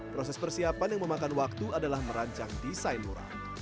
proses persiapan yang memakan waktu adalah merancang desain mural